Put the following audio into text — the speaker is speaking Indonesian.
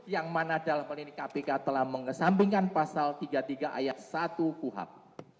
yang mana dalam hal ini kpk telah mengesampingkan pasal tiga puluh tiga ayat satu kuhap